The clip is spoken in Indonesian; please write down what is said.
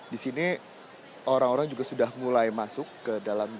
disini orang orang juga sudah mulai masuk ke dalam gedung